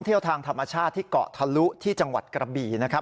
ทางธรรมชาติที่เกาะทะลุที่จังหวัดกระบี่นะครับ